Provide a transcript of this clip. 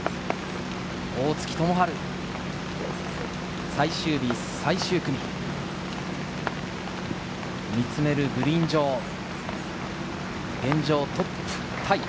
大槻智春、最終日最終組、見つめるグリーン上、現状トップタイ。